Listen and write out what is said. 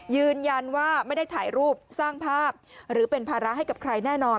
ยืนยันว่าไม่ได้ถ่ายรูปสร้างภาพหรือเป็นภาระให้กับใครแน่นอน